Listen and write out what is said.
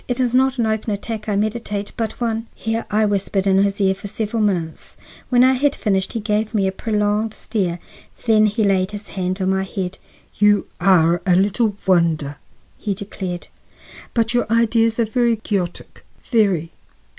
It is not an open attack I meditate, but one—" Here I whispered in his ear for several minutes, when I had finished he gave me a prolonged stare, then he laid his hand on my head. "You are a little wonder," he declared. "But your ideas are very quixotic, very.